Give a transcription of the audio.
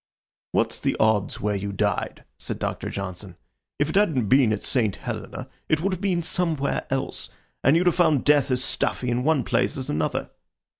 "What's the odds where you died?" said Doctor Johnson. "If it hadn't been at St. Helena it would have been somewhere else, and you'd have found death as stuffy in one place as in another."